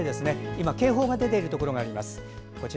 今、警報が出ているところがあります。